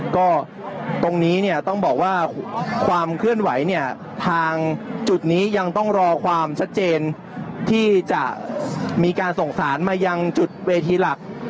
ก็ตรงนี้เนี่ยต้องบอกว่าความเคลื่อนไหวเนี่ยทางจุดนี้ยังต้องรอความชัดเจนที่จะมีการส่งสารมายังจุดเวทีหลัก